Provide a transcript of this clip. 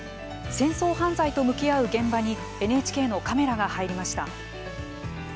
戦争犯罪と向き合う現場にＮＨＫのカメラが入りました。